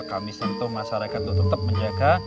kami sentuh masyarakat untuk tetap menjaga